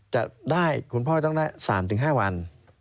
จะได้คุณพ่อต้องได้๓๕วัน